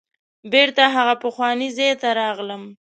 بیرته هغه پخواني ځای ته راغلم.